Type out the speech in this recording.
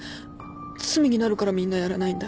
罪になるからみんなやらないんだ。